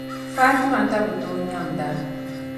Fatimata bi tooi nyaŋ’da.